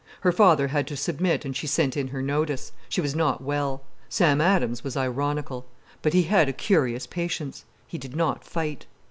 Her father had to submit and she sent in her notice—she was not well. Sam Adams was ironical. But he had a curious patience. He did not fight.